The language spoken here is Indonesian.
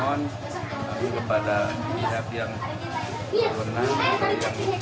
saya mohon kepada pihak yang pernah